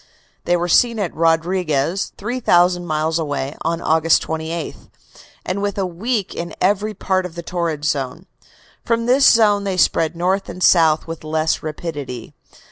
They were seen at Rodriguez, 3,000 miles away, on August 28, and within a week in every part of the torrid zone. From this zone they spread north and south with less rapidity.